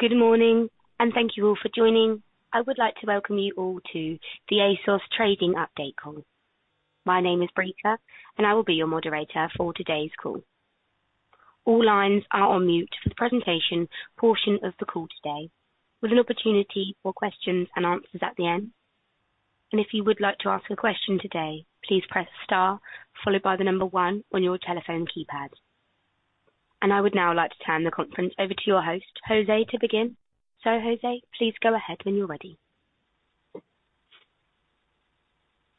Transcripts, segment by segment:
Good morning, and thank you all for joining. I would like to welcome you all to the ASOS Trading Update call. My name is Britta, and I will be your moderator for today's call. All lines are on mute for the presentation portion of the call today, with an opportunity for questions and answers at the end. If you would like to ask a question today, please press star followed by the number one on your telephone keypad. I would now like to turn the conference over to your host, José, to begin. José, please go ahead when you're ready.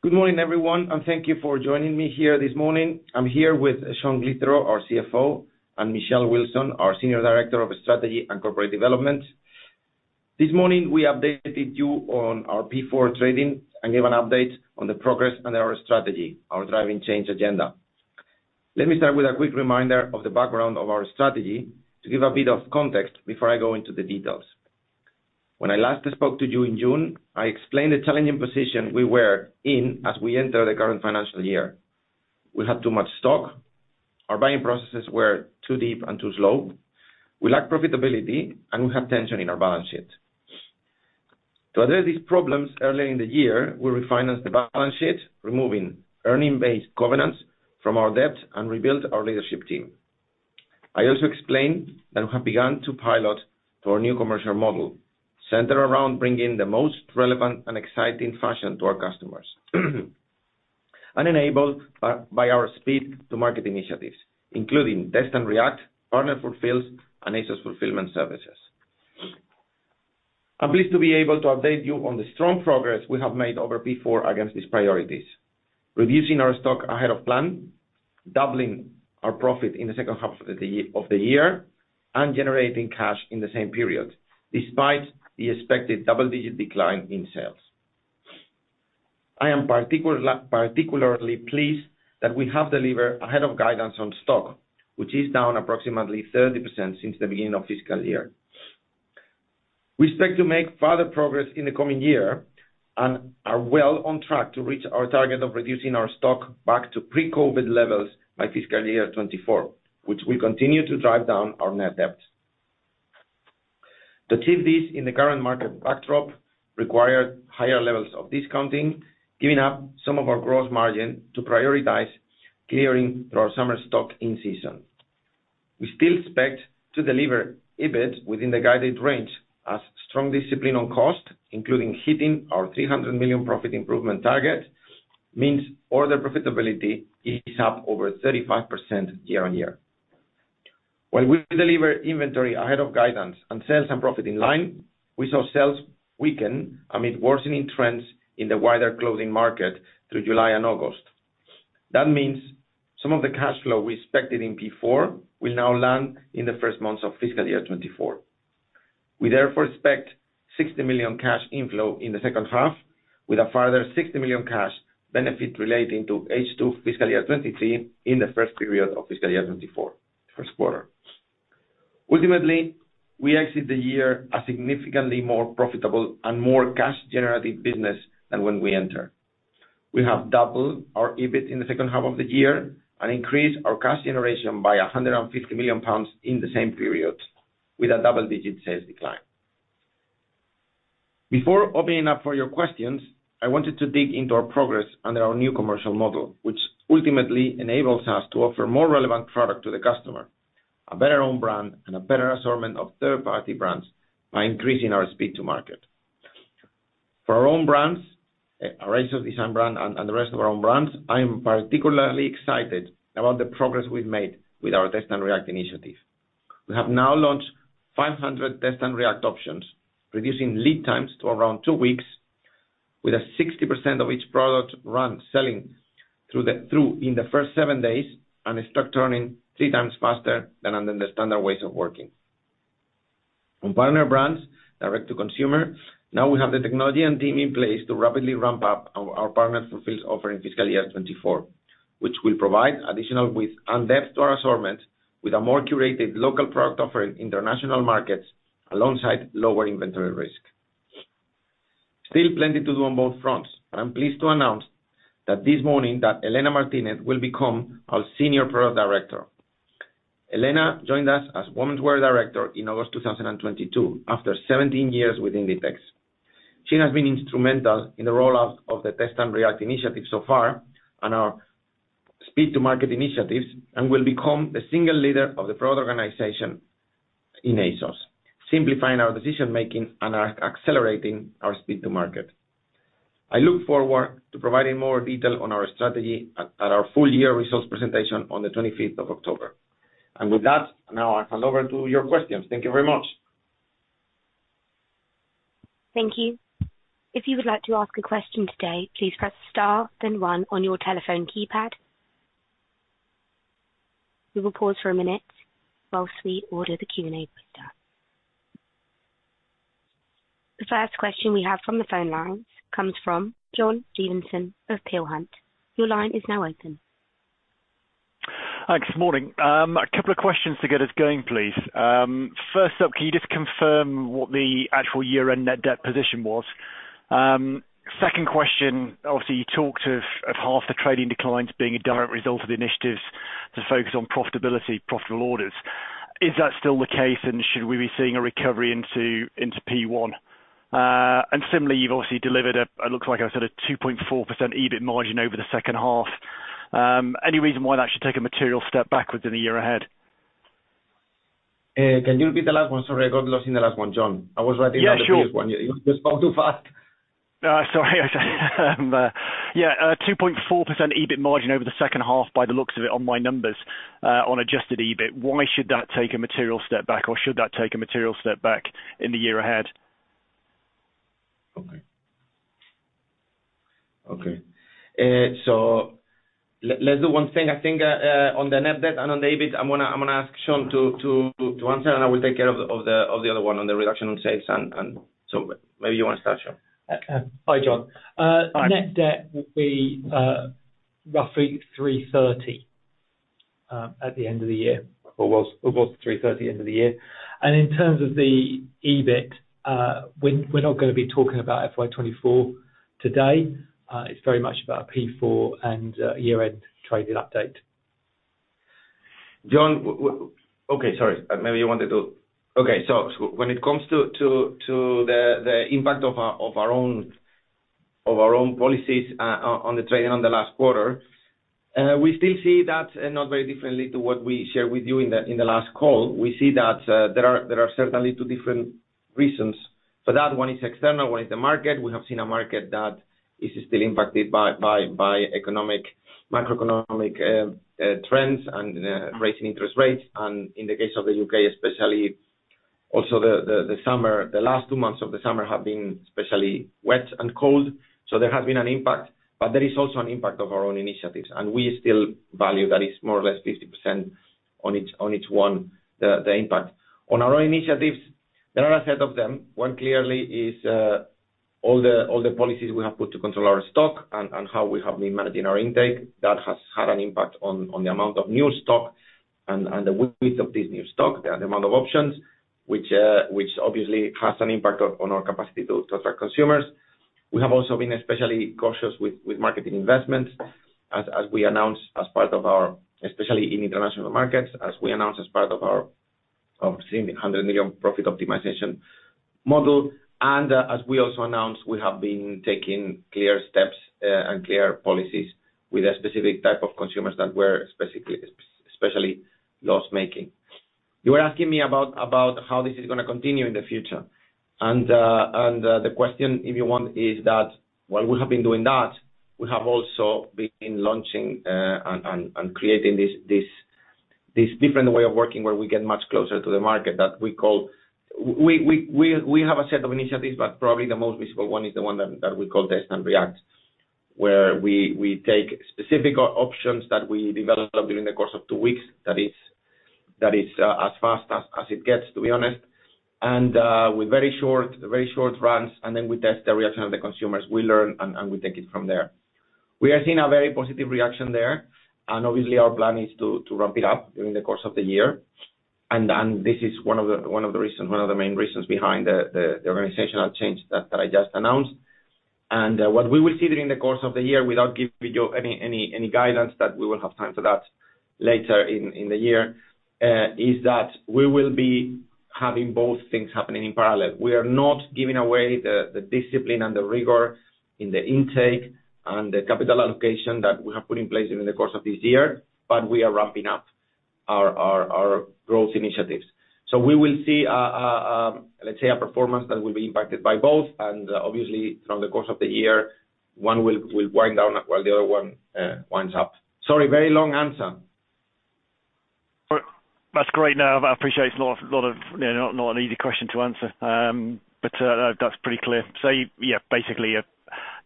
Good morning, everyone, and thank you for joining me here this morning. I'm here with Sean Glithero, our CFO, and Michelle Wilson, our Senior Director of Strategy and Corporate Development. This morning, we updated you on our P4 trading and gave an update on the progress and our strategy, our Driving Change agenda. Let me start with a quick reminder of the background of our strategy to give a bit of context before I go into the details. When I last spoke to you in June, I explained the challenging position we were in as we enter the current financial year. We had too much stock, our buying processes were too deep and too slow, we lacked profitability, and we have tension in our balance sheet. To address these problems early in the year, we refinanced the balance sheet, removing earnings-based covenants from our debt and rebuilt our leadership team. I also explained that we have begun to pilot our new commercial model, centered around bringing the most relevant and exciting fashion to our customers, and enabled by our speed to market initiatives, including Test & React, Partner Fulfils, and ASOS Fulfilment Services. I'm pleased to be able to update you on the strong progress we have made over P4 against these priorities, reducing our stock ahead of plan, doubling our profit in the second half of the year, and generating cash in the same period, despite the expected double-digit decline in sales. I am particularly pleased that we have delivered ahead of guidance on stock, which is down approximately 30% since the beginning of fiscal year. We expect to make further progress in the coming year and are well on track to reach our target of reducing our stock back to pre-COVID levels by fiscal year 2024, which will continue to drive down our net debt. To achieve this in the current market backdrop required higher levels of discounting, giving up some of our gross margin to prioritize clearing our summer stock in season. We still expect to deliver EBIT within the guided range as strong discipline on cost, including hitting our 300 million profit improvement target, means order profitability is up over 35% year-on-year. While we deliver inventory ahead of guidance and sales and profit in line, we saw sales weaken amid worsening trends in the wider clothing market through July and August. That means some of the cash flow we expected in P4 will now land in the first months of fiscal year 2024. We therefore expect 60 million cash inflow in the second half, with a further 60 million cash benefit relating to H2 fiscal year 2023 in the first period of fiscal year 2024, first quarter. Ultimately, we exit the year a significantly more profitable and more cash generative business than when we entered. We have doubled our EBIT in the second half of the year and increased our cash generation by 150 million pounds in the same period, with a double-digit sales decline. Before opening up for your questions, I wanted to dig into our progress under our new commercial model, which ultimately enables us to offer more relevant product to the customer, a better own brand, and a better assortment of third-party brands by increasing our Speed to Market. For our own brands, our ASOS DESIGN brand and the rest of our own brands, I am particularly excited about the progress we've made with our Test & React initiative. We have now launched 500 Test & React options, reducing lead times to around two weeks, with 60% of each product run selling through in the first seven days and start turning three times faster than under the standard ways of working. On partner brands, Direct-to-Consumer, now we have the technology and team in place to rapidly ramp up our Partner Fulfils offering Fiscal Year 2024, which will provide additional width and depth to our assortment with a more curated local product offering in their national markets, alongside lower inventory risk. Still plenty to do on both fronts, but I'm pleased to announce that this morning Elena Martínez will become our Senior Product Director. Elena joined us as Womenswear Director in August 2022, after 17 years with Inditex. She has been instrumental in the rollout of the Test & React initiative so far and our speed-to-market initiatives, and will become the single leader of the product organization in ASOS, simplifying our decision making and accelerating our speed to market. I look forward to providing more detail on our strategy at our full year results presentation on the 25th October. With that, now I hand over to your questions. Thank you very much. Thank you. If you would like to ask a question today, please press star, then one on your telephone keypad. We will pause for a minute whilst we order the Q&A window. The first question we have from the phone lines comes from John Stevenson of Peel Hunt. Your line is now open. Thanks. Good morning. A couple of questions to get us going, please. First up, can you just confirm what the actual year-end net debt position was? Second question, obviously, you talked of, of half the trading declines being a direct result of the initiatives to focus on profitability, profitable orders. Is that still the case? And should we be seeing a recovery into, into P1? And similarly, you've obviously delivered a, it looks like, as I said, a 2.4% EBIT margin over the second half. Any reason why that should take a material step backwards in the year ahead? Can you repeat the last one? Sorry, I got lost in the last one, John. I was writing down- Yeah, sure. The first one. You spoke too fast. Sorry. Yeah, a 2.4% EBIT margin over the second half by the looks of it on my numbers, on adjusted EBIT. Why should that take a material step back, or should that take a material step back in the year ahead? Okay. Okay. So let's do one thing. I think, on the net debt and on the EBIT, I'm gonna, I'm gonna ask Sean to answer, and I will take care of the other one on the reduction on sales and so maybe you wanna start, Sean. Hi, John. Hi. Net debt will be roughly 330 million at the end of the year, or it was 330 million at the end of the year. In terms of the EBIT, we're not gonna be talking about FY 2024 today. It's very much about P4 and year-end trading update. John, okay, sorry, maybe you wanted to... Okay, so when it comes to the impact of our own policies on the trading on the last quarter, we still see that not very differently to what we shared with you in the last call. We see that there are certainly two different reasons for that. One is external, one is the market. We have seen a market that is still impacted by economic, macroeconomic trends and raising interest rates. And in the case of the U.K. especially, also the summer, the last two months of the summer have been especially wet and cold. So there has been an impact, but there is also an impact of our own initiatives, and we still value that is more or less 50% on each one, the impact. On our own initiatives, there are a set of them. One clearly is all the policies we have put to control our stock and how we have been managing our intake. That has had an impact on the amount of new stock and the width of this new stock, the amount of options, which obviously has an impact on our capacity to attract consumers. We have also been especially cautious with marketing investments, as we announced as part of our, especially in international markets, as we announced as part of our Driving Change, the £100 million profit optimization model. As we also announced, we have been taking clear steps and clear policies with a specific type of consumers that were specifically, especially loss-making. You were asking me about how this is gonna continue in the future. And the question, if you want, is that while we have been doing that, we have also been launching and creating this different way of working, where we get much closer to the market that we call. We have a set of initiatives, but probably the most visible one is the one that we call Test & React, where we take specific options that we develop during the course of two weeks. That is as fast as it gets, to be honest, and with very short runs, and then we test the reaction of the consumers. We learn and we take it from there. We are seeing a very positive reaction there, and obviously our plan is to ramp it up during the course of the year. And this is one of the main reasons behind the organizational change that I just announced. And what we will see during the course of the year, without giving you any guidance, that we will have time for that later in the year, is that we will be having both things happening in parallel. We are not giving away the discipline and the rigor in the intake and the capital allocation that we have put in place during the course of this year, but we are ramping up our growth initiatives. So we will see, let's say, a performance that will be impacted by both, and obviously, from the course of the year, one will wind down while the other one winds up. Sorry, very long answer. That's great. Now, I appreciate it's not a lot of, you know, not an easy question to answer. But that's pretty clear. So yeah, basically,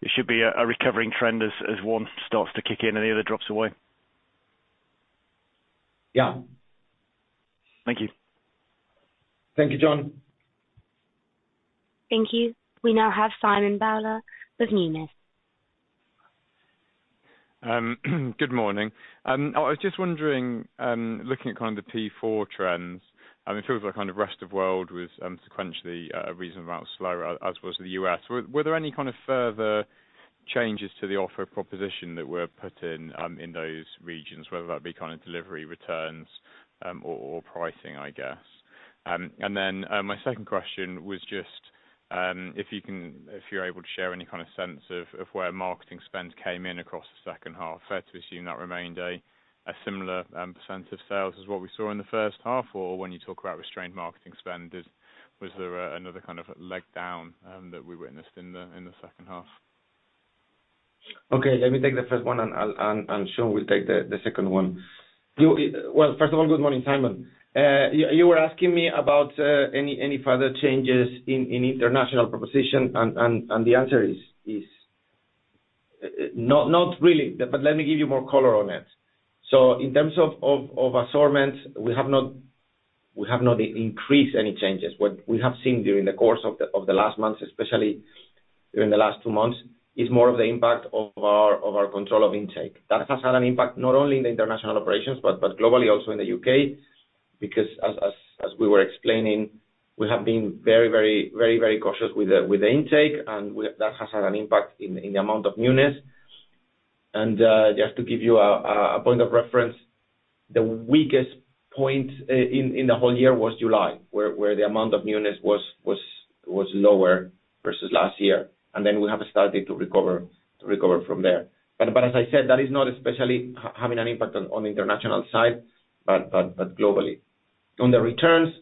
it should be a recovering trend as one starts to kick in and the other drops away. Yeah. Thank you. Thank you, John. Thank you. We now have Simon Bowler with Numis. Good morning. I was just wondering, looking at kind of the P4 trends, I mean, it feels like kind of rest of world was sequentially a reasonable amount slower as was the U.S. Were there any kind of further changes to the offer proposition that were put in in those regions, whether that be kind of delivery, returns, or pricing, I guess? And then, my second question was just, if you're able to share any kind of sense of where marketing spend came in across the second half. Fair to assume that remained a similar percent of sales as what we saw in the first half, or when you talk about restrained marketing spend, was there another kind of leg down that we witnessed in the second half? Okay, let me take the first one, and Sean will take the second one. Well, first of all, good morning, Simon. You were asking me about any further changes in international proposition, and the answer is not really, but let me give you more color on it. So in terms of assortment, we have not increased any changes. What we have seen during the course of the last months, especially during the last two months, is more of the impact of our control of intake. That has had an impact not only in the international operations, but globally, also in the U.K. Because, as we were explaining, we have been very, very, very, very cautious with the intake, and we—that has had an impact in the amount of newness. And just to give you a point of reference, the weakest point in the whole year was July, where the amount of newness was lower versus last year, and then we have started to recover from there. But as I said, that is not especially having an impact on the international side, but globally. On the returns,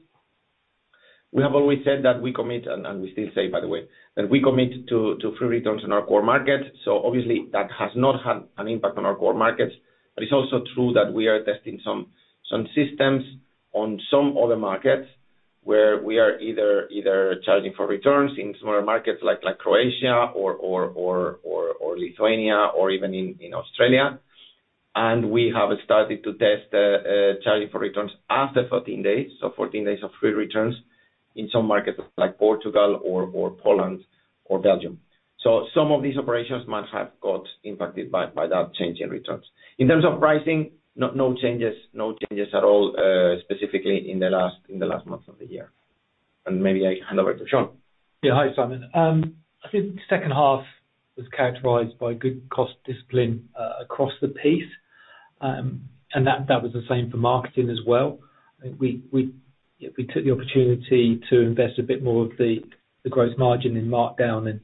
we have always said that we commit, and we still say, by the way, that we commit to free returns in our core markets. So obviously that has not had an impact on our core markets. But it's also true that we are testing some systems on some other markets, where we are either charging for returns in smaller markets like Croatia or Lithuania, or even in Australia. And we have started to test charging for returns after 14 days. So 14 days of free returns in some markets like Portugal or Poland or Belgium. So some of these operations might have got impacted by that change in returns. In terms of pricing, no changes, no changes at all, specifically in the last months of the year. And maybe I hand over to Sean. Yeah. Hi, Simon. I think the second half was characterized by good cost discipline, across the piece. And that was the same for marketing as well. I think we, yeah, we took the opportunity to invest a bit more of the gross margin in markdown and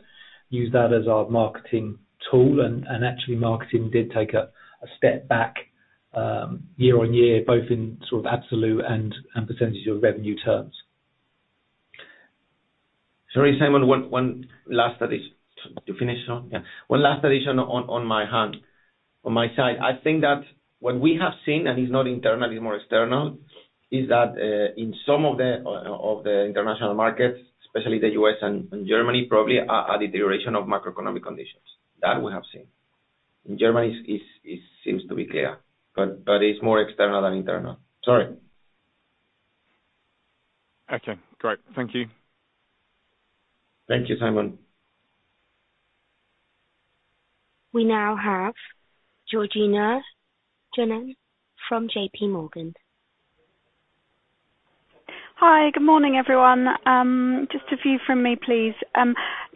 use that as our marketing tool. And actually, marketing did take a step back, year on year, both in sort of absolute and percentage of revenue terms. Sorry, Simon, one last addition. To finish, Sean? Yeah. One last addition on my end, on my side. I think that what we have seen, and it's not internal, it's more external, is that in some of the international markets, especially the U.S. and Germany, probably a deterioration of macroeconomic conditions. That we have seen. In Germany, it seems to be clear, but it's more external than internal. Sorry. Okay, great. Thank you. Thank you, Simon. We now have Georgina Johanan from JPMorgan. Hi, good morning, everyone. Just a few from me, please.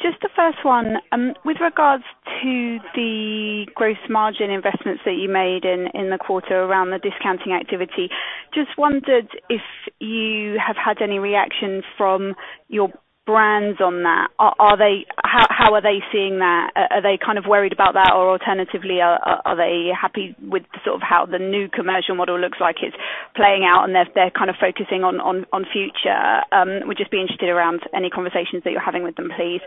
Just the first one, with regards to the gross margin investments that you made in the quarter around the discounting activity, just wondered if you have had any reaction from your brands on that? Are they—how are they seeing that? Are they kind of worried about that, or alternatively, are they happy with sort of how the new commercial model looks like it's playing out, and they're kind of focusing on future? Would just be interested around any conversations that you're having with them, please.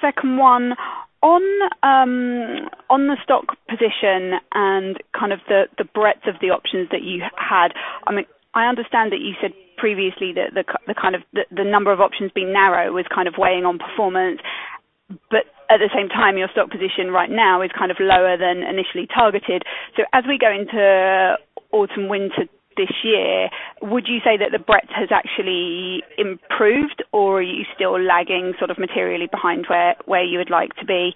Second one, on the stock position and kind of the breadth of the options that you had. I mean, I understand that you said previously that the kind of the number of options being narrow was kind of weighing on performance, but at the same time, your stock position right now is kind of lower than initially targeted. So as we go into autumn, winter this year, would you say that the breadth has actually improved, or are you still lagging sort of materially behind where you would like to be?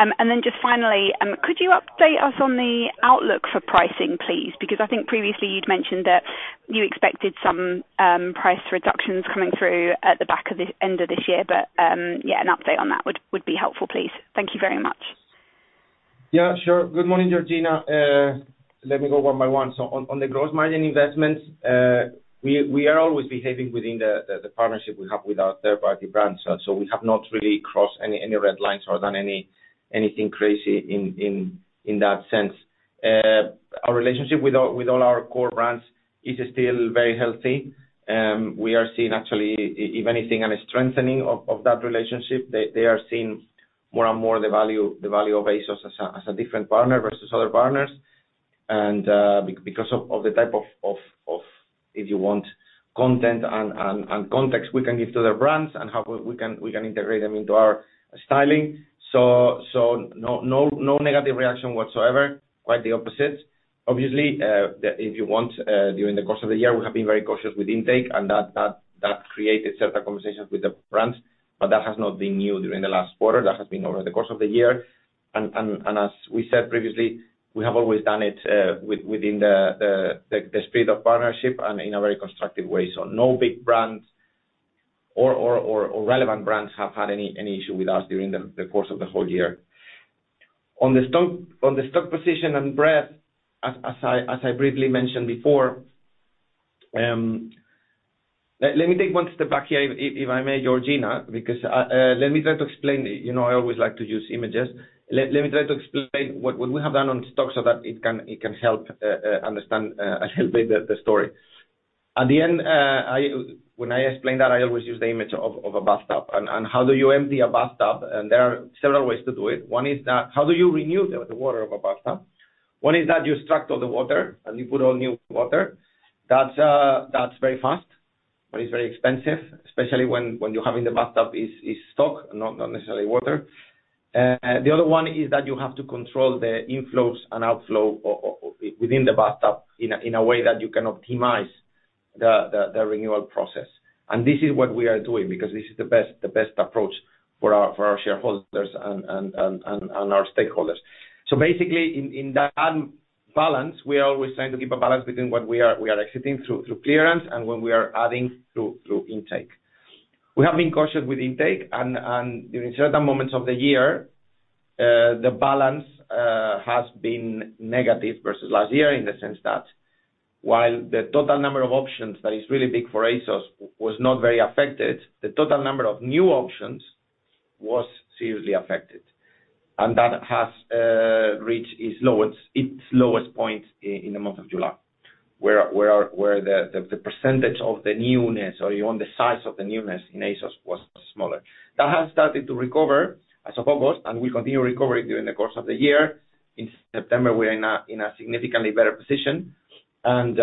And then just finally, could you update us on the outlook for pricing, please? Because I think previously you'd mentioned that you expected some price reductions coming through at the end of this year. But yeah, an update on that would be helpful, please. Thank you very much. Yeah, sure. Good morning, Georgina. Let me go one by one. So on the gross margin investments, we are always behaving within the partnership we have with our third-party brands. So we have not really crossed any red lines or done anything crazy in that sense. Our relationship with all our core brands is still very healthy. We are seeing actually, if anything, a strengthening of that relationship. They are seeing more and more the value of ASOS as a different partner versus other partners. And because of the type of, if you want content and context we can give to the brands, and how we can integrate them into our styling. So no negative reaction whatsoever, quite the opposite. Obviously, if you want, during the course of the year, we have been very cautious with intake, and that created certain conversations with the brands, but that has not been new during the last quarter. That has been over the course of the year. And as we said previously, we have always done it within the spirit of partnership and in a very constructive way. So no big brands or relevant brands have had any issue with us during the course of the whole year. On the stock position and breadth, as I briefly mentioned before... Let me take one step back here, if I may, Georgina, because I let me try to explain, you know, I always like to use images. Let me try to explain what we have done on stock so that it can help understand a little bit the story. At the end, I, when I explain that, I always use the image of a bathtub. And how do you empty a bathtub? And there are several ways to do it. One is that, how do you renew the water of a bathtub? One is that you extract all the water, and you put all new water. That's very fast, but it's very expensive, especially when you have in the bathtub is stock, not necessarily water. The other one is that you have to control the inflows and outflow within the bathtub in a way that you can optimize the renewal process. And this is what we are doing, because this is the best approach for our shareholders and our stakeholders. So basically, in that balance, we are always trying to keep a balance between what we are exiting through clearance and when we are adding through intake. We have been cautious with intake and during certain moments of the year, the balance has been negative versus last year in the sense that while the total number of options that is really big for ASOS was not very affected, the total number of new options was seriously affected. And that has reached its lowest, its lowest point in the month of July, where our, where the percentage of the newness or even the size of the newness in ASOS was smaller. That has started to recover as of August, and will continue recovering during the course of the year. In September, we are in a significantly better position. And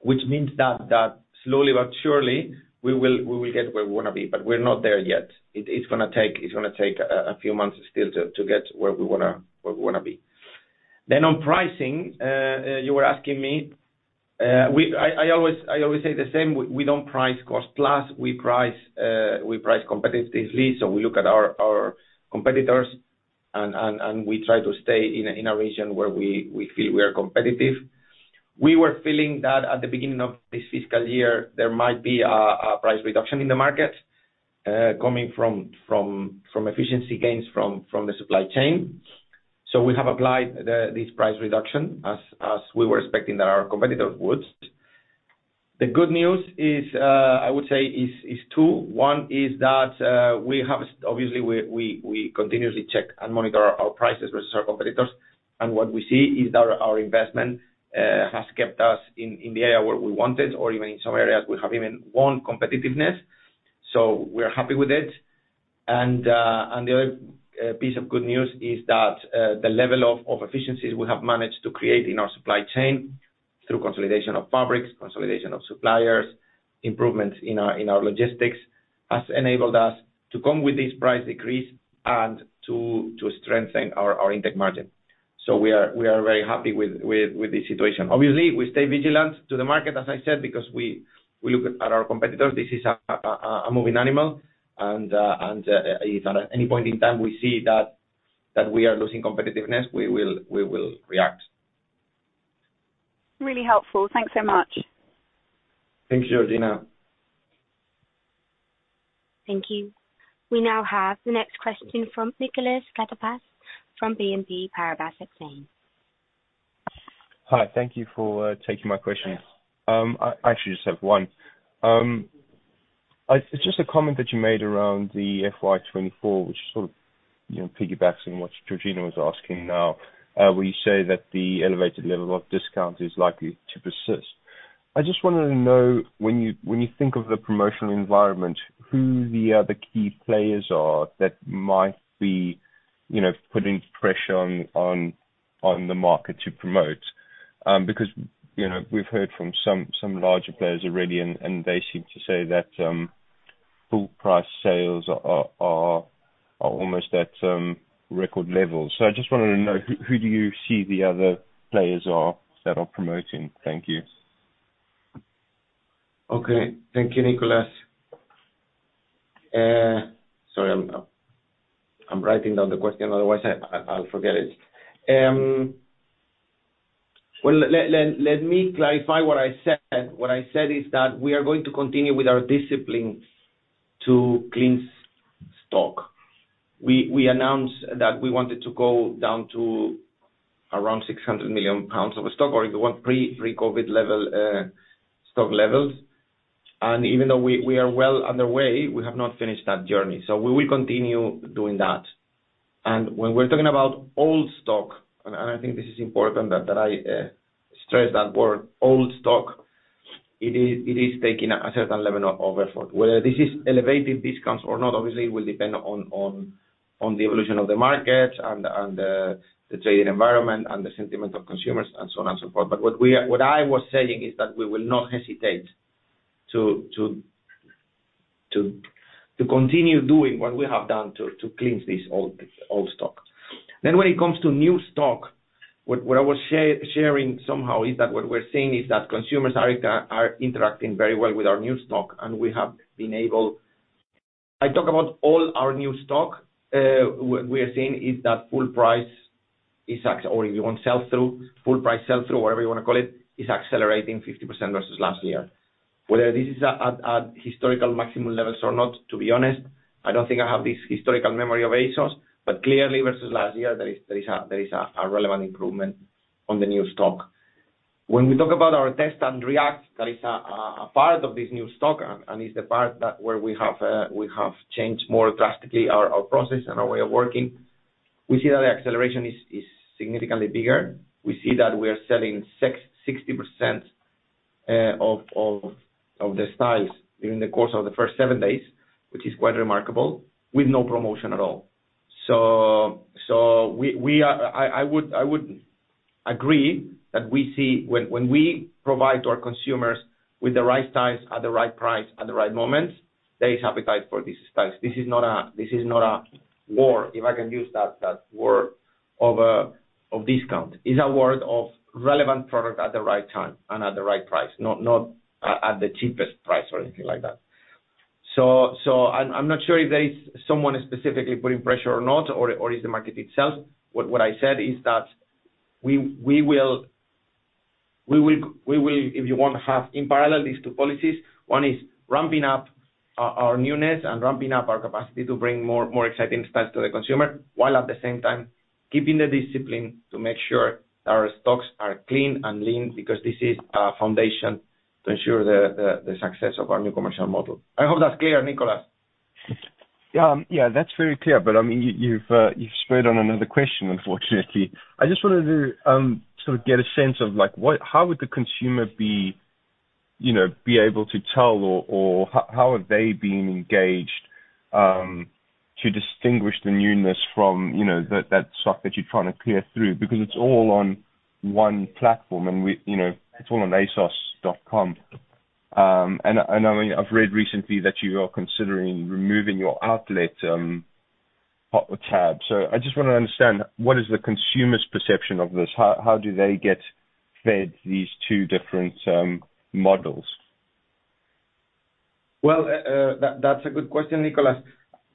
which means that slowly but surely we will get where we want to be, but we're not there yet. It is gonna take, it's gonna take a few months still to get where we wanna be. Then on pricing, you were asking me, we-- I always say the same, we don't price cost plus, we price competitively. So we look at our competitors, and we try to stay in a region where we feel we are competitive. We were feeling that at the beginning of this fiscal year, there might be a price reduction in the market coming from efficiency gains from the supply chain. So we have applied this price reduction as we were expecting that our competitors would. The good news is, I would say is two. One is that we have obviously we continuously check and monitor our prices versus our competitors. And what we see is that our investment has kept us in the area where we wanted, or even in some areas, we have even won competitiveness, so we're happy with it. And the other piece of good news is that the level of efficiencies we have managed to create in our supply chain through consolidation of fabrics, consolidation of suppliers, improvements in our logistics, has enabled us to come with this price decrease and to strengthen our intake margin. So we are very happy with this situation. Obviously, we stay vigilant to the market, as I said, because we look at our competitors. This is a moving animal, and if at any point in time we see that we are losing competitiveness, we will react. Really helpful. Thanks so much. Thank you, Georgina. Thank you. We now have the next question from Nicolas Katsapas, from BNP Paribas Exane. Hi, thank you for taking my questions. I actually just have one. It's just a comment that you made around the FY 2024, which sort of, you know, piggybacks on what Georgina was asking now. Where you say that the elevated level of discount is likely to persist. I just wanted to know, when you, when you think of the promotional environment, who the other key players are that might be, you know, putting pressure on, on, on the market to promote? Because, you know, we've heard from some, some larger players already, and they seem to say that full price sales are almost at record levels. So I just wanted to know, who, who do you see the other players are that are promoting? Thnk you. Okay. Thank you, Nicholas. Sorry, I'm writing down the question, otherwise I'll forget it. Well, let me clarify what I said. What I said is that we are going to continue with our discipline to cleanse stock. We announced that we wanted to go down to around 600 million pounds of stock or if you want, pre-COVID level, stock levels. And even though we are well underway, we have not finished that journey. So we will continue doing that. And when we're talking about old stock, and I think this is important that I stress that word, old stock, it is taking a certain level of effort. Whether this is elevated discounts or not, obviously, will depend on the evolution of the market and the trading environment and the sentiment of consumers and so on and so forth. But what I was saying is that we will not hesitate to continue doing what we have done to cleanse this old, old stock. Then when it comes to new stock, what I was sharing somehow is that what we're seeing is that consumers are interacting very well with our new stock, and we have been able. I talk about all our new stock, we are seeing is that full price or if you want, sell-through, full price sell-through, whatever you wanna call it, is accelerating 50% versus last year. Whether this is at historical maximum levels or not, to be honest, I don't think I have this historical memory of ASOS, but clearly versus last year, there is a relevant improvement on the new stock. When we talk about our Test & React, that is a part of this new stock, and is the part that where we have changed more drastically our process and our way of working. We see that the acceleration is significantly bigger. We see that we are selling 60% of the styles during the course of the first seven days, which is quite remarkable, with no promotion at all. So we are—I would agree that we see when we provide our consumers with the right styles at the right price, at the right moment, there is appetite for these styles. This is not a—this is not a war, if I can use that word, of discount, is a word of relevant product at the right time and at the right price, not at the cheapest price or anything like that. So I'm not sure if there is someone specifically putting pressure or not, or is the market itself. What I said is that we will, if you want to have in parallel, these two policies, one is ramping up our newness and ramping up our capacity to bring more exciting stuff to the consumer, while at the same time keeping the discipline to make sure our stocks are clean and lean, because this is our foundation to ensure the success of our new commercial model. I hope that's clear, Nicolas. Yeah. Yeah, that's very clear, but I mean, you, you've, you've spread on another question, unfortunately. I just wanted to sort of get a sense of like, what-- how would the consumer be, you know, be able to tell or, or how are they being engaged to distinguish the newness from, you know, that, that stock that you're trying to clear through? Because it's all on one platform and you know, it's all on ASOS.com. And I mean, I've read recently that you are considering removing your outlet prop or tab. So I just want to understand, what is the consumer's perception of this? How do they get fed these two different models? Well, that’s a good question, Nicolas.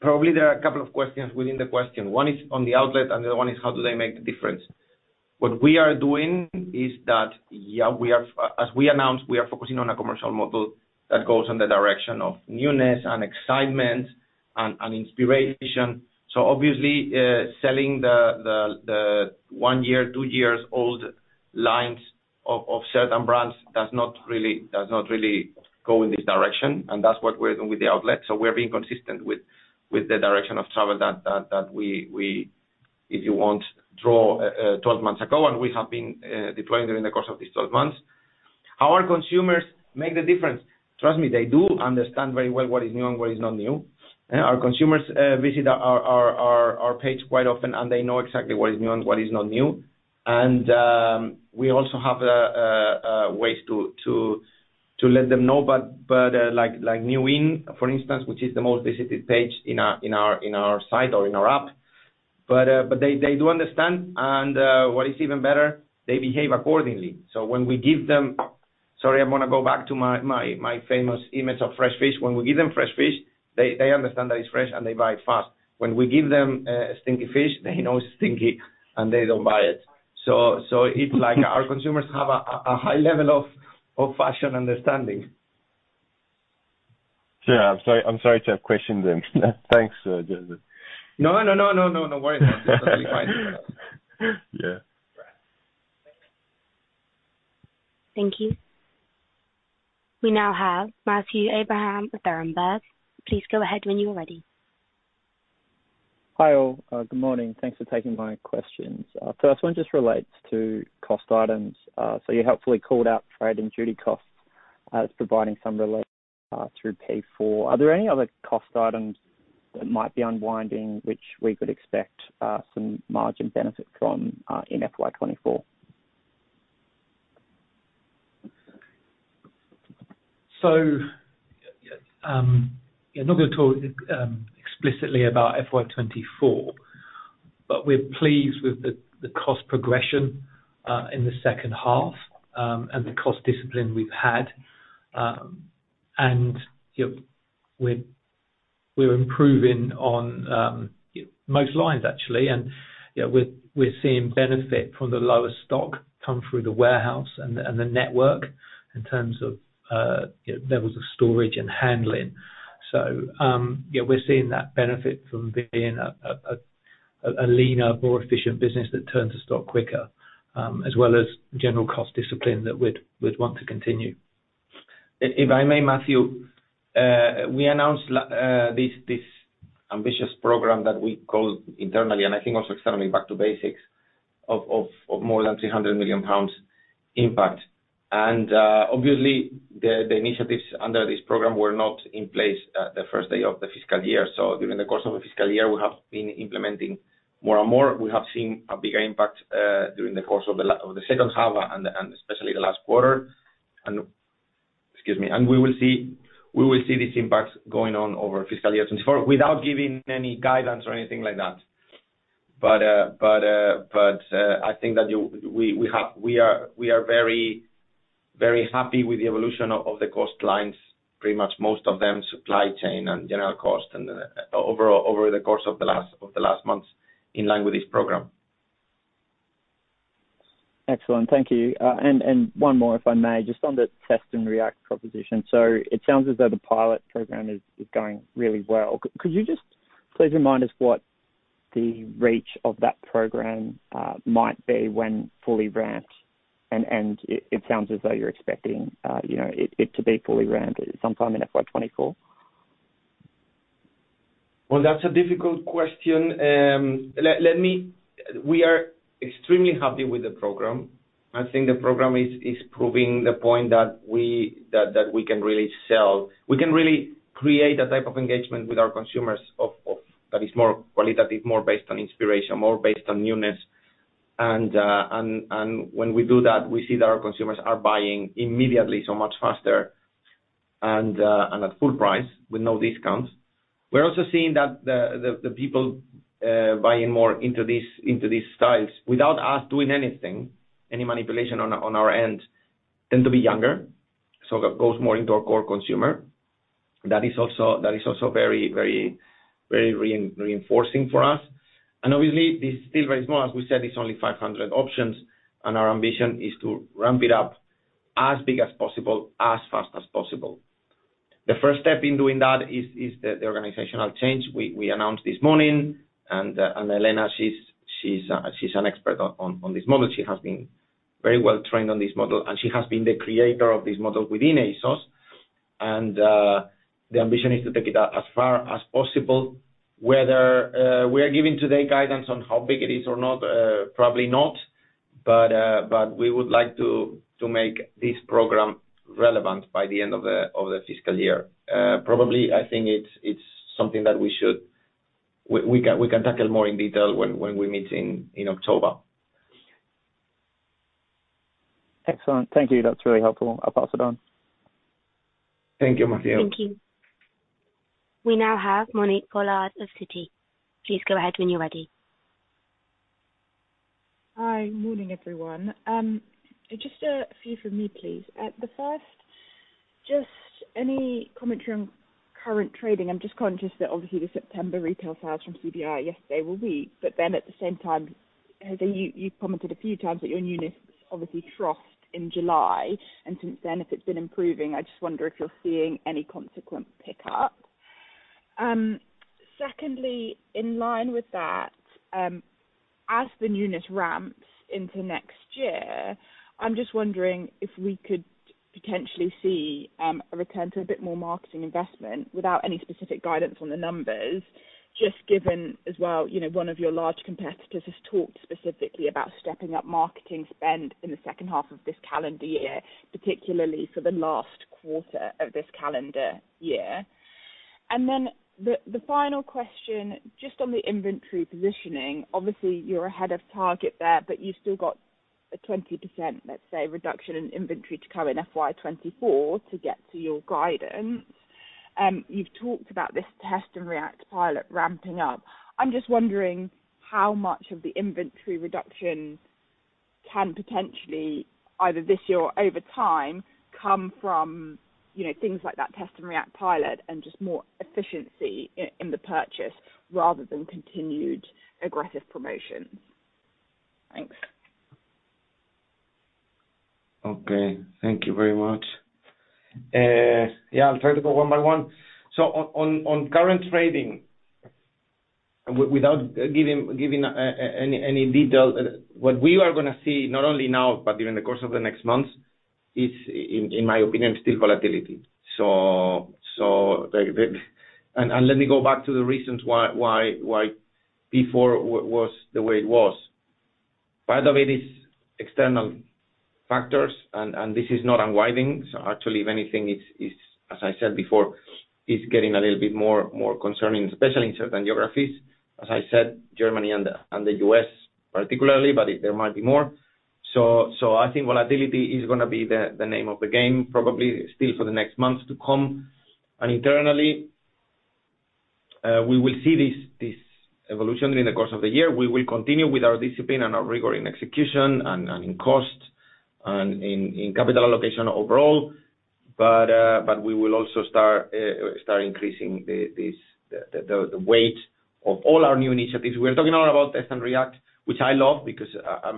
Probably, there are a couple of questions within the question. One is on the outlet, and the other one is: how do they make the difference? What we are doing is that, yeah, as we announced, we are focusing on a commercial model that goes in the direction of newness and excitement and inspiration. So obviously, selling the one-year, two-year-old lines of certain brands does not really go in this direction, and that’s what we’re doing with the outlet. So we’re being consistent with the direction of travel that we, if you want, draw 12 months ago, and we have been deploying during the course of these 12 months. How are consumers make the difference? Trust me, they do understand very well what is new and what is not new. Our consumers visit our page quite often, and they know exactly what is new and what is not new. And, we also have ways to let them know, but, like, like New In, for instance, which is the most visited page in our site or in our app. But they do understand, and what is even better, they behave accordingly. So when we give them... Sorry, I'm gonna go back to my famous image of fresh fish. When we give them fresh fish, they understand that it's fresh, and they buy it fast. When we give them stinky fish, they know it's stinky, and they don't buy it. So it's like our consumers have a high level of fashion understanding. Yeah, I'm sorry, I'm sorry to have questioned them. Thanks, José. No, no, no, no, no, no worries. You're fine. Yeah. Thank you. We now have Matthew Abraham with Berenberg. Please go ahead when you're ready. Hi, all. Good morning. Thanks for taking my questions. First one just relates to cost items. So you helpfully called out trade and duty costs, as providing some relief, through P4. Are there any other cost items that might be unwinding, which we could expect, some margin benefit from, in FY 2024? So, yeah, I'm not gonna talk explicitly about FY 2024, but we're pleased with the cost progression in the second half, and the cost discipline we've had. And, you know, we're improving on most lines, actually. And, yeah, we're seeing benefit from the lower stock come through the warehouse and the network in terms of, you know, levels of storage and handling. So, yeah, we're seeing that benefit from being a leaner, more efficient business that turns to stock quicker, as well as general cost discipline that we'd want to continue. If I may, Matthew, we announced this ambitious program that we call internally, and I think also externally, Back to Basics of more than 300 million pounds impact. And obviously, the initiatives under this program were not in place the first day of the fiscal year. So during the course of the fiscal year, we have been implementing more and more. We have seen a bigger impact during the course of the second half and especially the last quarter. Excuse me. We will see this impact going on over fiscal year 2024, without giving any guidance or anything like that. But, I think that we are very, very happy with the evolution of the cost lines, pretty much most of them, supply chain and general cost, and then overall, over the course of the last months in line with this program. Excellent. Thank you. And one more, if I may, just on the Test & React proposition. So it sounds as though the pilot program is going really well. Could you just please remind us what the reach of that program might be when fully ramped, and it sounds as though you're expecting, you know, it to be fully ramped sometime in FY 2024? Well, that's a difficult question. We are extremely happy with the program. I think the program is proving the point that we can really sell. We can really create a type of engagement with our consumers that is more qualitative, more based on inspiration, more based on newness. And when we do that, we see that our consumers are buying immediately, so much faster and at full price with no discounts. We're also seeing that the people buying more into these styles without us doing anything, any manipulation on our end, tend to be younger, so that goes more into our core consumer. That is also very, very, very reinforcing for us. And obviously, this is still very small. As we said, it's only 500 options, and our ambition is to ramp it up as big as possible, as fast as possible. The first step in doing that is the organizational change we announced this morning. And Elena, she's an expert on this model. She has been very well trained on this model, and she has been the creator of this model within ASOS. And the ambition is to take it out as far as possible, whether we are giving today guidance on how big it is or not, probably not. But we would like to make this program relevant by the end of the fiscal year. Probably, I think it's something that we should, we can tackle more in detail when we meet in October. Excellent. Thank you. That's really helpful. I'll pass it on. Thank you, Matthew. Thank you. We now have Monique Pollard of Citi. Please go ahead when you're ready. Hi, morning, everyone. Just a few from me, please. The first, just any commentary on current trading. I'm just conscious that obviously the September retail sales from CBI yesterday were weak, but then at the same time, José, you, you've commented a few times that your newness obviously troughs in July, and since then, if it's been improving, I just wonder if you're seeing any consequent pickup. Secondly, in line with that, as the newness ramps into next year, I'm just wondering if we could potentially see a return to a bit more marketing investment without any specific guidance on the numbers. Just given as well, you know, one of your large competitors has talked specifically about stepping up marketing spend in the second half of this calendar year, particularly for the last quarter of this calendar year. Then the final question, just on the inventory positioning, obviously, you're ahead of target there, but you've still got a 20% reduction in inventory to come in FY 2024 to get to your guidance. You've talked about this Test & React pilot ramping up. I'm just wondering how much of the inventory reduction can potentially, either this year or over time, come from, you know, things like that Test & React pilot and just more efficiency in the purchase rather than continued aggressive promotions? Thanks. Okay. Thank you very much. Yeah, I'll try to go one by one. So on current trading, without giving any detail, what we are gonna see, not only now, but during the course of the next months, is, in my opinion, still volatility. So the... And let me go back to the reasons why P4 was the way it was. Part of it is external factors, and this is not unwinding. So actually, if anything, it's, as I said before, it's getting a little bit more concerning, especially in certain geographies, as I said, Germany and the U.S. particularly, but it, there might be more. So I think volatility is gonna be the name of the game, probably still for the next months to come. And internally, we will see this evolution in the course of the year. We will continue with our discipline and our rigor in execution and in cost and in capital allocation overall. But we will also start increasing the weight of all our new initiatives. We're talking a lot about Test & React, which I love because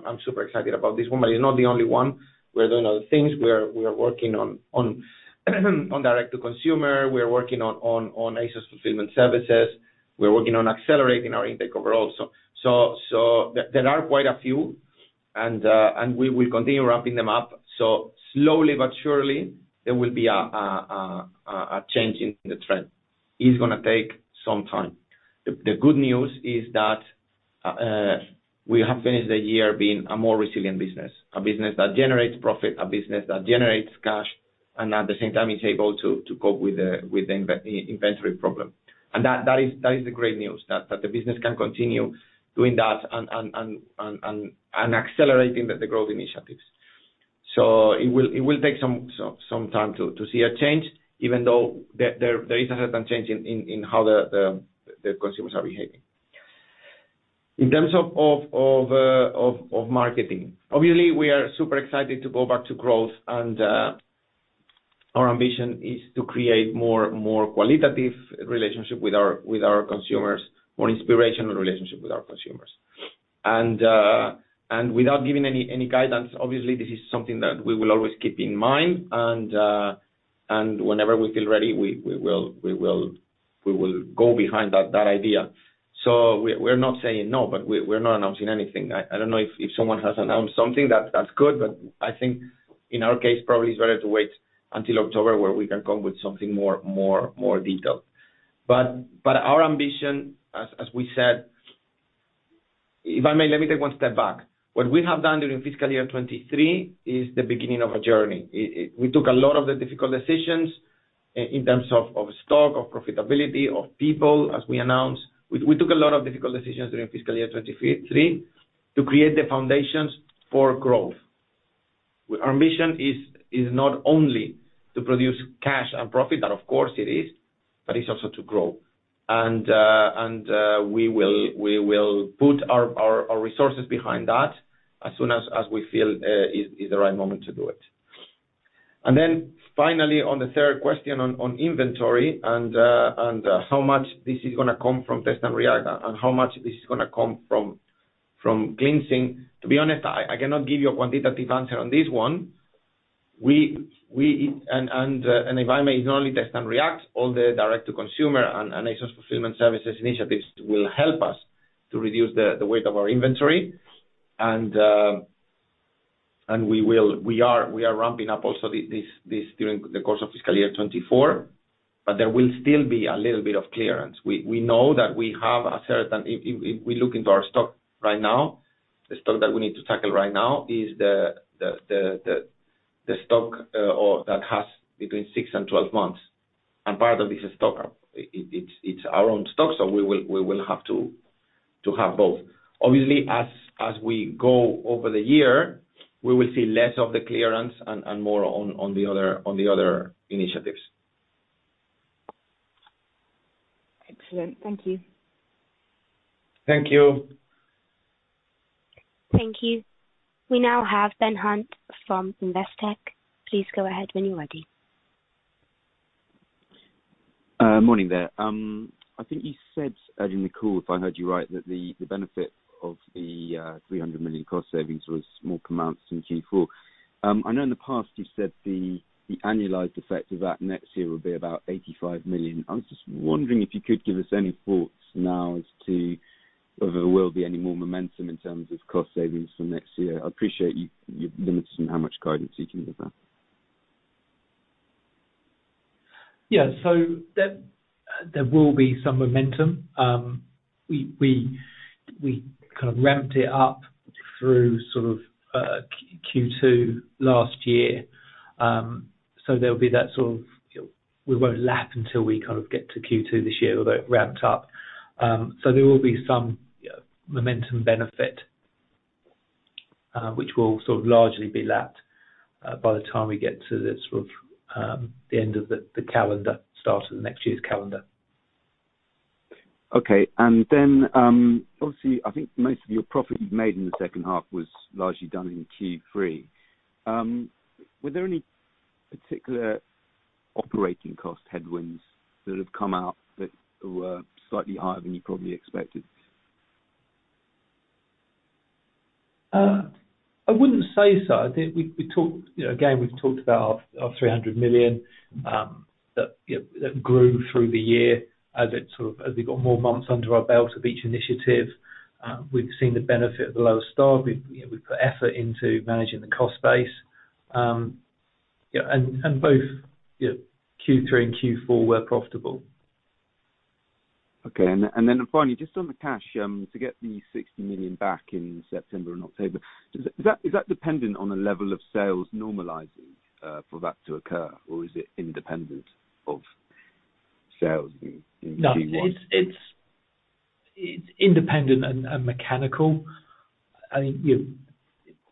I'm super excited about this one, but it's not the only one. We're doing other things. We are working on Direct-to-Consumer. We're working on ASOS Fulfilment Services. We're working on accelerating our intake overall. So there are quite a few, and we will continue ramping them up. So slowly but surely, there will be a change in the trend. It's gonna take some time. The good news is that we have finished the year being a more resilient business, a business that generates profit, a business that generates cash, and at the same time is able to cope with the inventory problem. And that is the great news, that the business can continue doing that and accelerating the growth initiatives. So it will take some time to see a change, even though there is a certain change in how the consumers are behaving. In terms of marketing, obviously, we are super excited to go back to growth, and our ambition is to create more qualitative relationship with our consumers, more inspirational relationship with our consumers. And without giving any guidance, obviously, this is something that we will always keep in mind, and whenever we feel ready, we will go behind that idea. So we're not saying no, but we're not announcing anything. I don't know if someone has announced something, that's good, but I think in our case, probably it's better to wait until October, where we can come with something more detailed. But our ambition, as we said... If I may, let me take one step back. What we have done during fiscal year 2023 is the beginning of a journey. It, we took a lot of the difficult decisions in terms of stock, of profitability, of people, as we announced. We took a lot of difficult decisions during fiscal year 2023 to create the foundations for growth. Our mission is not only to produce cash and profit, that of course it is, but it's also to grow. And we will put our resources behind that as soon as we feel is the right moment to do it. And then finally, on the third question on inventory, and how much this is gonna come from Test & React, and how much this is gonna come from cleansing. To be honest, I cannot give you a quantitative answer on this one. And if I may, not only Test & React, all the Direct-to-Consumer and Fulfilment Services initiatives will help us to reduce the weight of our inventory. We are ramping up also this during the course of fiscal year 2024, but there will still be a little bit of clearance. We know that we have a certain... If we look into our stock right now, the stock that we need to tackle right now is the stock that has between six and 12 months, and part of this stock, it's our own stock, so we will have to have both. Obviously, as we go over the year, we will see less of the clearance and more on the other initiatives. Excellent. Thank you. Thank you. Thank you. We now have Ben Hunt from Investec. Please go ahead when you're ready. Morning there. I think you said earlier in the call, if I heard you right, that the benefit of the 300 million cost savings was more pronounced in Q4. I know in the past you've said the annualized effect of that next year will be about 85 million. I was just wondering if you could give us any thoughts now as to whether there will be any more momentum in terms of cost savings for next year. I appreciate you, you're limited in how much guidance you can give us. Yeah, so there will be some momentum. We kind of ramped it up through sort of Q2 last year. So there'll be that sort of... We won't lap until we kind of get to Q2 this year, although it ramped up. So there will be some momentum benefit, which will sort of largely be lapped by the time we get to the sort of the end of the calendar, start of the next year's calendar. Okay. And then, obviously, I think most of your profit you've made in the second half was largely done in Q3. Were there any particular operating cost headwinds that have come out that were slightly higher than you probably expected? I wouldn't say so. I think we talked. You know, again, we've talked about our 300 million that grew through the year as we got more months under our belt of each initiative. We've seen the benefit of the lower staff. You know, we've put effort into managing the cost base. Yeah, and both Q3 and Q4 were profitable. Okay. And then finally, just on the cash, to get the 60 million back in September and October, does that... Is that dependent on the level of sales normalizing, for that to occur, or is it independent of sales in Q1? No, it's independent and mechanical. I mean, you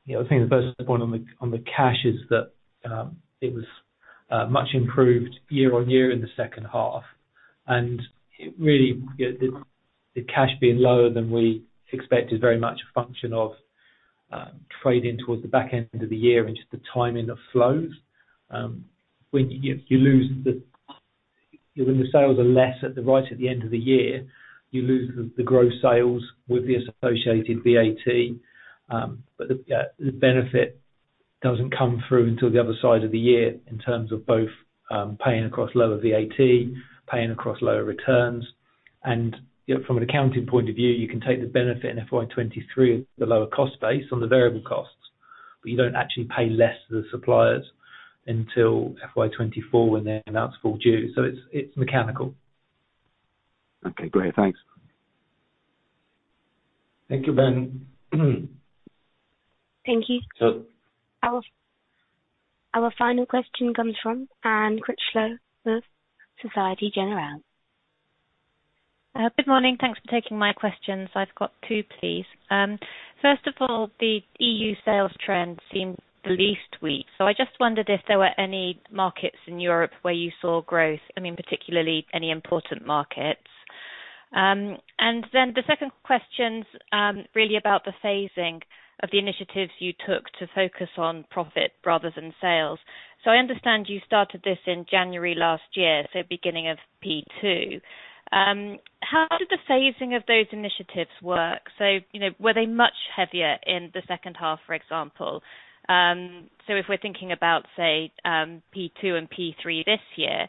know, I think the first point on the cash is that it was much improved year on year in the second half, and it really, you know, the cash being lower than we expected is very much a function of trading towards the back end of the year into the timing of flows. When you lose the, when the sales are less at the right at the end of the year, you lose the gross sales with the associated VAT, but the benefit doesn't come through until the other side of the year, in terms of both paying across lower VAT, paying across lower returns. You know, from an accounting point of view, you can take the benefit in FY 2023, the lower cost base on the variable costs, but you don't actually pay less to the suppliers until FY 2024 when they're announced full due. So it's mechanical. Okay, great. Thanks. Thank you, Ben. Thank you. Our final question comes from Anne Critchlow of Société Générale. Good morning. Thanks for taking my questions. I've got two, please. First of all, the EU sales trends seem the least weak, so I just wondered if there were any markets in Europe where you saw growth, I mean, particularly any important markets. And then the second question's really about the phasing of the initiatives you took to focus on profit rather than sales. So I understand you started this in January last year, so beginning of P2. How did the phasing of those initiatives work? So, you know, were they much heavier in the second half, for example? So if we're thinking about, say, P2 and P3 this year,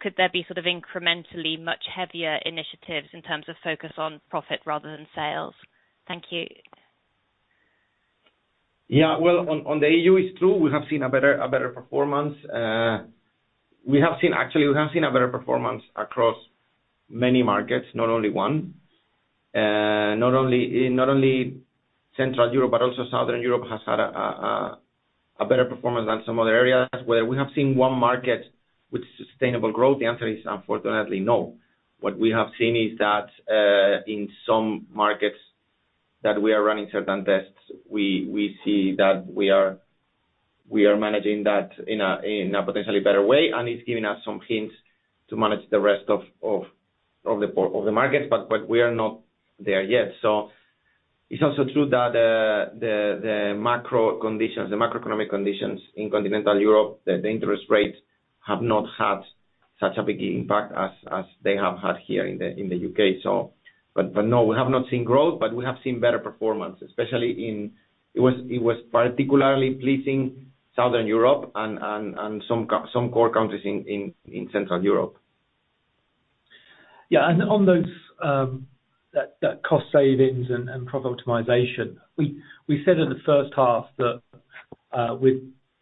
could there be sort of incrementally much heavier initiatives in terms of focus on profit rather than sales? Thank you. Yeah. Well, on the E.U., it's true, we have seen a better performance. We have seen actually a better performance across many markets, not only one. Not only Central Europe, but also Southern Europe has had a better performance than some other areas where we have seen one market with sustainable growth? The answer is unfortunately, no. What we have seen is that in some markets that we are running certain tests, we see that we are managing that in a potentially better way, and it's giving us some hints to manage the rest of the portfolio of the markets, but we are not there yet. So it's also true that the macro conditions, the macroeconomic conditions in continental Europe, the interest rates have not had such a big impact as they have had here in the U.K.. So, but no, we have not seen growth, but we have seen better performance, especially in... It was particularly pleasing Southern Europe and some core countries in Central Europe. Yeah, and on those, that cost savings and profit optimization, we said in the first half that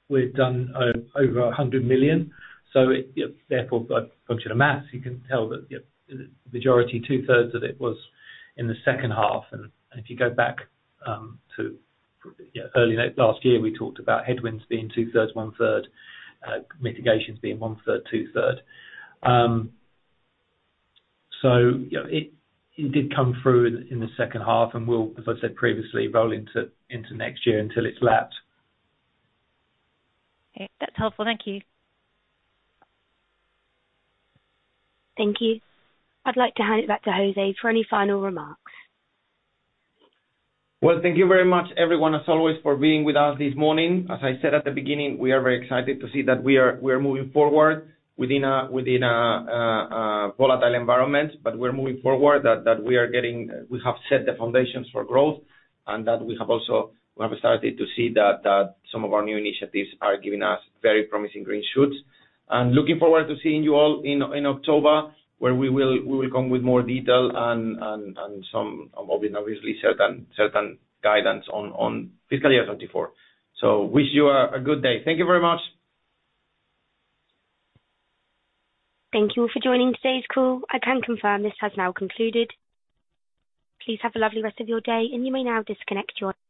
we've done over £100 million. So yeah, therefore, by function of math, you can tell that yeah, the majority, two-thirds of it was in the second half. And if you go back to yeah, early last year, we talked about headwinds being two-thirds, one-third, mitigations being one-third, two-thirds. So you know, it did come through in the second half, and we'll, as I said previously, roll into next year until it's lapsed. Okay. That's helpful. Thank you. Thank you. I'd like to hand it back to José for any final remarks. Well, thank you very much, everyone, as always, for being with us this morning. As I said at the beginning, we are very excited to see that we are moving forward within a volatile environment. But we're moving forward, that we have set the foundations for growth, and that we have also we have started to see that some of our new initiatives are giving us very promising green shoots. And looking forward to seeing you all in October, where we will come with more detail and some obviously certain guidance on fiscal year 2024. So wish you a good day. Thank you very much. Thank you all for joining today's call. I can confirm this has now concluded. Please have a lovely rest of your day, and you may now disconnect your-